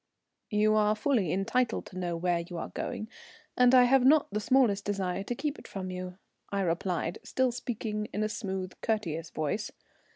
"You are fully entitled to know where you are going, and I have not the smallest desire to keep it from you," I replied, still speaking in a smooth, courteous voice.